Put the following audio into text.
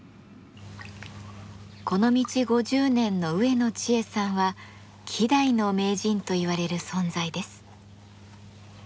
この道５０年の植野知恵さんは希代の名人といわれる存在です。